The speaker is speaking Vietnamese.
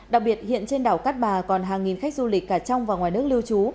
đặc biệt hiện trên đảo cát bà còn hàng nghìn khách du lịch cả trong và ngoài nước lưu trú